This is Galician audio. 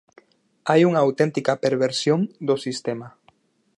Hai unha auténtica perversión do sistema.